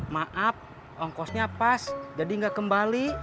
maaf ongkosnya pas jadi nggak kembali